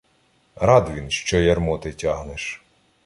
Рад він, що ярмо ти тягнеш